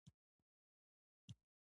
دویمه طریقه په آفاقي تغییراتو بنا ده.